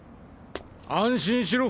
安心しろ。